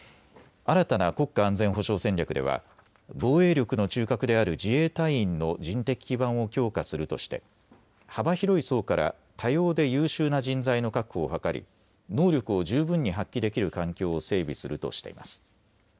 新たな国家安全保障戦略では防衛力の中核である自衛隊員の人的基盤を強化するとして幅広い層から多様で優秀な人材の確保を図り、能力を十分に発揮できる環境を整備するとしています。